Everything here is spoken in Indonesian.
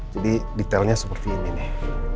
jadi detailnya seperti ini nih